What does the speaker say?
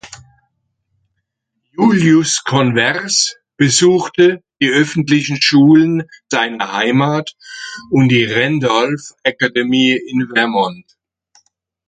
Julius Converse besuchte die öffentlichen Schulen seiner Heimat und die "Randolph Academy" in Vermont.